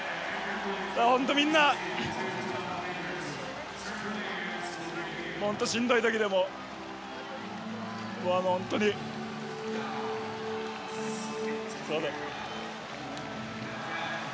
本当みんな、本当、しんどいときでも、本当に、すみません。